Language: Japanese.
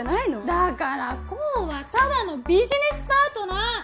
だから功はただのビジネスパートナー！